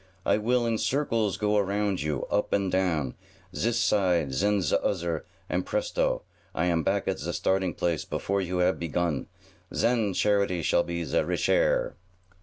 "I will in circles go around you, up and down, zis side zen ze ozzer, and presto! I am back at ze starting place, before you have begun. Zen charity shall be ze richair!"